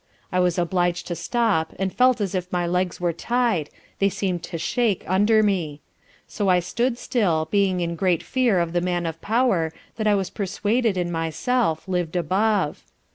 I was obliged to stop and felt as if my legs were tied, they seemed to shake under me: so I stood still, being in great fear of the Man of Power that I was persuaded in myself, lived above.